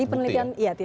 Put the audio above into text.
itu penelitian kami